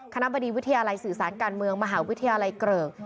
บดีวิทยาลัยสื่อสารการเมืองมหาวิทยาลัยเกริก